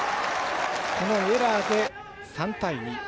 このエラーで３対２。